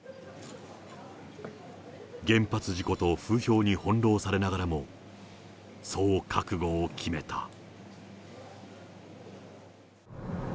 原発事故と風評に翻弄されながらも、そう覚悟を決めた。